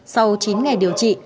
sau chín ngày điều trị